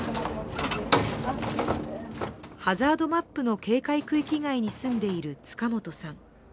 ハザードマップの警戒区域外に住んでいた塚本さん。